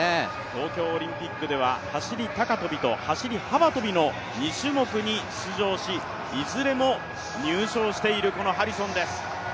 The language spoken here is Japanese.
東京オリンピックでは走高跳と走幅跳の２種目に出場し、いずれも入賞している、このハリソンです。